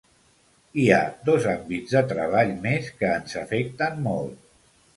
Hi ha dos àmbits de treball més que ens afecten molt.